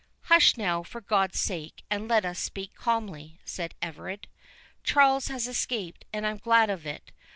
"Hush now, for God's sake, and let us speak calmly," said Everard. "Charles has escaped, and I am glad of it.